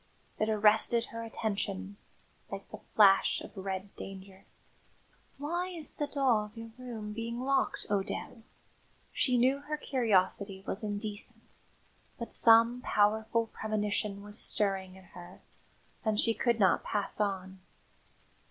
It arrested her attention like the flash of red danger. "Why is the door of your room being locked, O'Dell?" She knew her curiosity was indecent, but some powerful premonition was stirring in her, and she could not pass on.